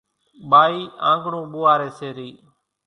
ٻائِي آنڳڻون ٻوئاريَ سي رئِي